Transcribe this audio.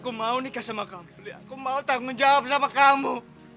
aku mau nikah sama kamu aku mau tanggung jawab sama kamu